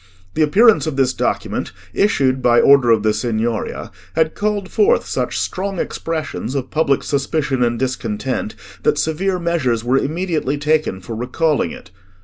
The appearance of this document, issued by order of the Signoria, had called forth such strong expressions of public suspicion and discontent, that severe measures were immediately taken for recalling it.